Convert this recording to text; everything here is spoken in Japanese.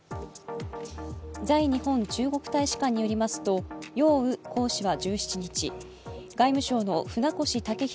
在日本中国大使館によりますと、揚宇公使は１７日、外務省の船越健裕